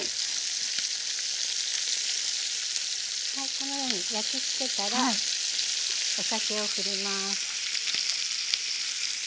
このように焼き付けたらお酒をふります。